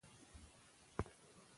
ښوونځې تللې مور د ماشوم خوب منظموي.